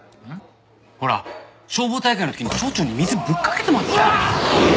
ほら消防大会の時に町長に水ぶっかけてまったやろ。